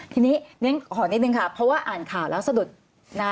ทีนี้ขอนิดนึงค่ะเพราะว่าอ่านข่าวแล้วสะดุดนะ